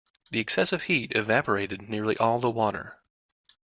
The excessive heat evaporated nearly all the water.